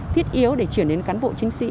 thiết yếu để chuyển đến cán bộ chiến sĩ